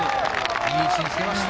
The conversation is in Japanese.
いい位置につけました。